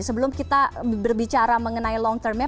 sebelum kita berbicara mengenai long term nya